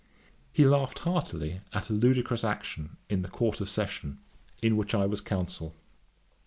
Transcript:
He laughed heartily at a ludicrous action in the Court of Session, in which I was Counsel.